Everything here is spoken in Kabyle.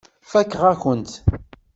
Fakeɣ-akent-t.